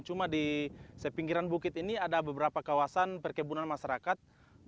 cuma di sepinggiran bukit ini ada beberapa kawasan perkebunan masyarakat